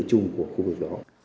chung của khu vực đó